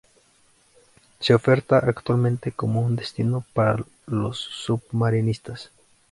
Se oferta actualmente como un destino para los submarinistas.